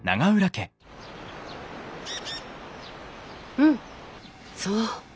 うんそう。